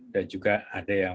dan juga ada yang